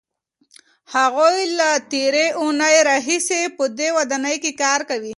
هغوی له تېرې اوونۍ راهیسې په دې ودانۍ کار کوي.